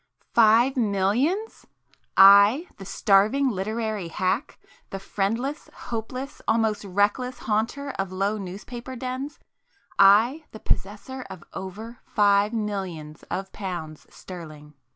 Five Millions! I, the starving literary hack,—the friendless, hopeless, almost reckless haunter of low newspaper dens,—I, the possessor of "over Five Millions of Pounds Sterling"!